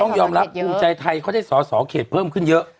ต้องยอมรับภูมิใจไทยเขาได้สอสอเขตเพิ่มขึ้นเยอะ